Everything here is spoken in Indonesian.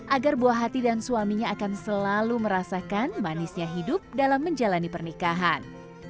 agar buah hati dan suaminya akan selalu merasakan manisnya hidup dalam menjalani pernikahan